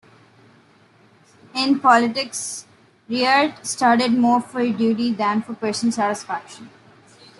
In politics, Riart started more for duty than for personal satisfaction.